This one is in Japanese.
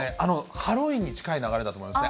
ハロウィーンに近い流れだと思いますね。